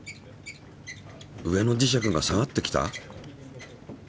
上の磁石が下がってきた？